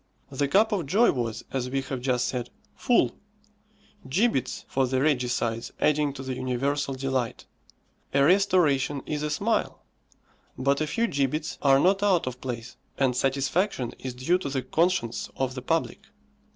The cup of joy was, as we have just said, full; gibbets for the regicides adding to the universal delight. A restoration is a smile; but a few gibbets are not out of place, and satisfaction is due to the conscience of the public.